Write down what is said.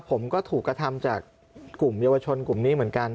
ผมก็ถูกกระทำจากกลุ่มเยาวชนกลุ่มนี้เหมือนกัน